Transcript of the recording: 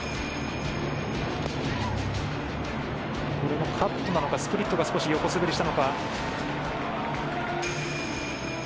これもカットなのかスプリットが少し横滑りしたのか。